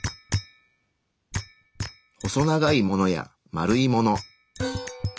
細長いものや丸いもの。